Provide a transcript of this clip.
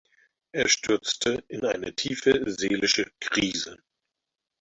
Er stürzte in eine tiefe seelische Krise.